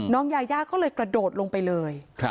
ยาย่าก็เลยกระโดดลงไปเลย